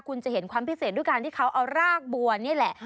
คุณจะเห็นความพิเศษด้วยการที่เขาเอารากบัวนี่แหละ